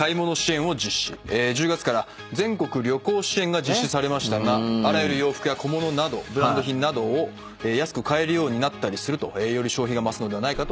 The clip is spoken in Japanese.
１０月から全国旅行支援が実施されましたがあらゆる洋服や小物などブランド品などを安く買えるようになったりするとより消費が増すのではないかと。